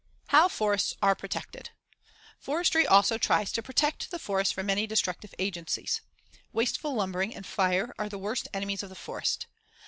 How forests are protected: Forestry also tries to protect the forests from many destructive agencies. Wasteful lumbering and fire are the worst enemies of the forest.